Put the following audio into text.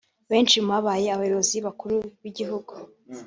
Benshi mu babaye abayobozi bakuru b’igihugu